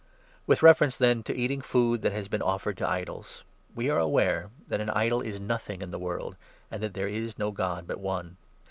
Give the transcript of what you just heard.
With 4 reference, then, to eating food that has been offered to idols — we are aware that an idol is nothing in the world, and that there is no God but one.